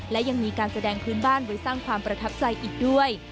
และยังมีการแสดงพื้นบ้านไว้สร้างความประทับใจอีกด้วย